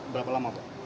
berapa lama pak